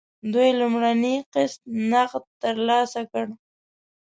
دوی لومړنی قسط نغد ترلاسه کړ.